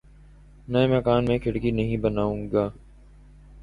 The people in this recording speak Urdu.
نئے مکان میں کھڑکی نہیں بناؤں گا